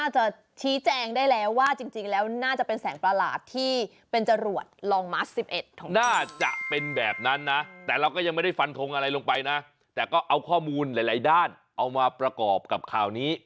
สินใจว่ามันคืออะไร